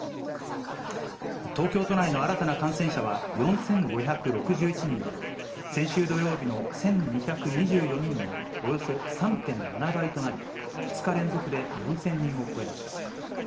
東京都内の新たな感染者は４５６１人で、先週土曜日の１２２４人のおよそ３．７倍となり、２日連続で４０００人を超えました。